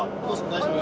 大丈夫？